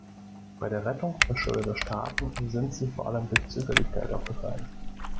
Bei der Rettung verschuldeter Staaten sind sie vor allem durch Zögerlichkeit aufgefallen.